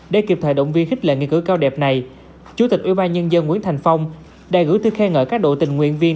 để kịp thời động viên khích lệ nghĩa cử cao đẹp này chủ tịch ubnd nguyễn thành phong đã gửi thư khen ngợi các đội tình nguyện viên